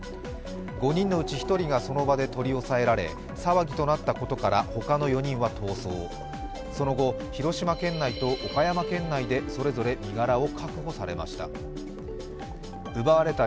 ５人のうち１人がその場で取り押さえられ、騒ぎとなったことからほかの４人は逃走、その後、広島県内と岡山県内でそれぞれ身柄を確保されました。